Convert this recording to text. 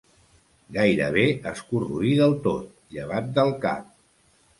Gairebé es corroí del tot, llevat del cap.